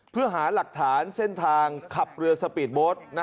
เพื่อหาหลักฐานเส้นทางขับเรือสปีดโบสต์